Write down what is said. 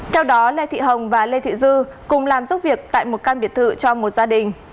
theo đó lê thị hồng và lê thị dư cùng làm giúp việc tại một căn biệt thự cho một gia đình